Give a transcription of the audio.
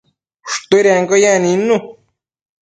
ushtuidenquio yec nidnu